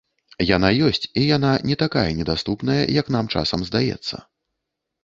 Яна ёсць і яна не такая недаступная, як нам часам здаецца.